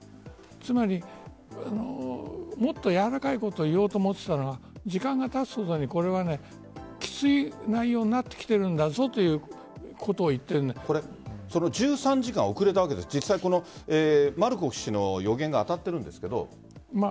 つまりもっとやわらかいことを言おうと思ったら時間がたつことにきつい内容になっているんだろうということを１３時間、遅れたわけで実際、マルコフ氏の予言が当たっているんですけど。